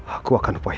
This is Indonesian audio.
aku akan upayakan